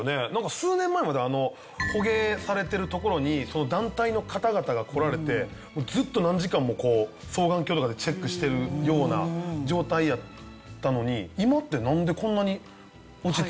数年前まで捕鯨されてる所に団体の方々が来られてずっと何時間も双眼鏡とかでチェックしてるような状態やったのに今ってなんでこんなに落ち着いてるんですかね？